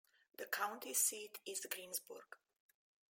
The county seat is Greensburg.